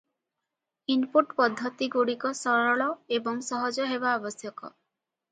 Input ପଦ୍ଧତିଗୁଡ଼ିକ ସରଳ ଏବଂ ସହଜ ହେବା ଆବଶ୍ୟକ ।